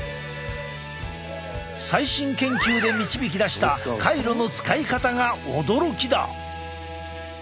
最新研究で導き出したカイロの使い方が驚きだ！